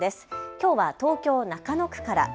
きょうは東京中野区から。